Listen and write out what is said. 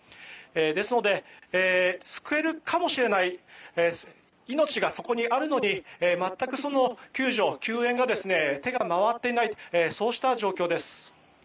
ですので救えるかもしれない命がそこにあるのに全く救助や救援の手が回っていないそうした状況です。